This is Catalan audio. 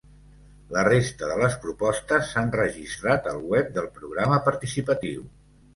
La resta de les propostes s’han registrat al web del programa participatiu.